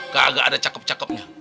kagak ada cakep cakepnya